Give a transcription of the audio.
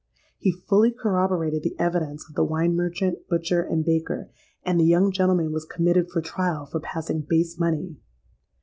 He fully corroborated the evidence of the wine merchant, butcher, and baker; and the young gentleman was committed for trial for passing base money.